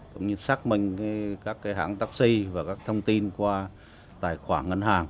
cũng như xác minh các hãng taxi và các thông tin qua tài khoản ngân hàng